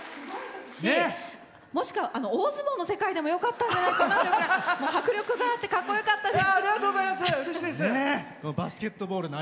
大相撲の世界でもよかったんじゃないかなというぐらい迫力があってかっこよかったです。